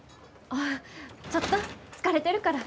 あっちょっと疲れてるから。